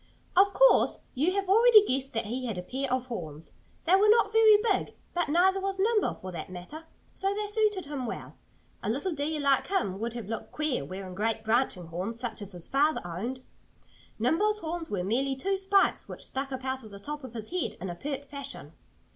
Of course you have already guessed that he had a pair of horns. They were not very big. But neither was Nimble, for that matter. So they suited him well. A little deer like him would have looked queer wearing great branching horns such as his father owned. Nimble's horns were merely two spikes which stuck up out of the top of his head in a pert fashion.